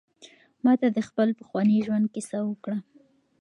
ما ته د خپل پخواني ژوند کیسه وکړه.